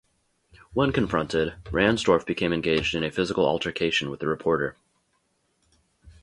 When confronted, Ransdorf became engaged in a physical altercation with the reporter.